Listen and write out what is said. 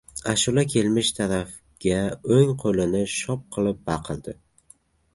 Ashula kelmish tarafga o‘ng qo‘lini shop qilib baqirdi: